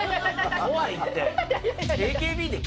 怖いって！